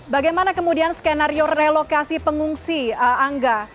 bagaimana kemudian skenario relokasi pengungsi angga